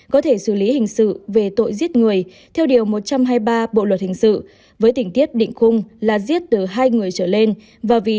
có thể xử lý hình sự về tội giết người theo điều một trăm hai mươi ba bộ luật hình sự với tỉnh tiết định khung là